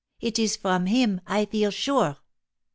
It is from him, I feel sure."